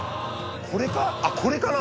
あっこれかな？